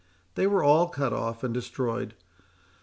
They were all cut off and destroyed.